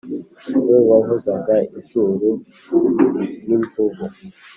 we wavuzaga izuru nk' imvubu,